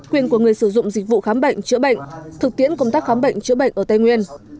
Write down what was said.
quyền của người sử dụng dịch vụ khám bệnh chữa bệnh thực tiễn công tác khám bệnh chữa bệnh ở tây nguyên